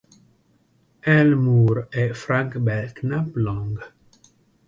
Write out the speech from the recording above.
L. Moore e Frank Belknap Long.